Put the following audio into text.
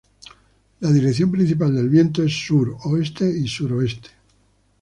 La dirección principal del viento es sur, oeste y sur-oeste.